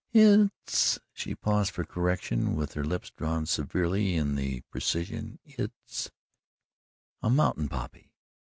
"Hit's" she paused for correction with her lips drawn severely in for precision "IT'S a mountain poppy.